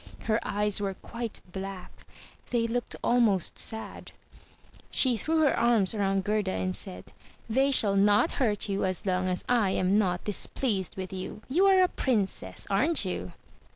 Her eyes were quite black; they looked almost sad. She threw her arms around Gerda and said, "They shall not hurt you as long as I am not displeased with you. You are a princess, aren't you?"